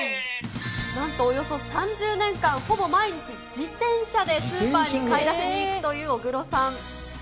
なんとおよそ３０年間、ほぼ毎日、自転車でスーパーに買い出しに行くという小黒さん。